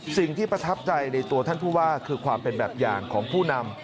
ประทับใจในตัวท่านผู้ว่าคือความเป็นแบบอย่างของผู้นำ